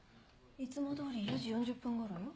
いつもどおり４時４０分ごろよ。